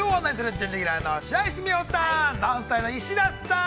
準レギュラーの白石美帆さん、ＮＯＮＳＴＹＬＥの石田さん。